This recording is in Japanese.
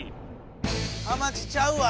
ハマチちゃうわ。